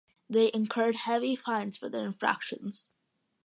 They incurred heavy fines for their infractions.